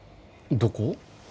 どこ？